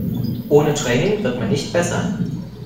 Ohne Training wird man nicht besser.